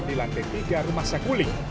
di landing tiga rumah sekuling